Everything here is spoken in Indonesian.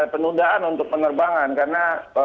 penundaan untuk penerbangan karena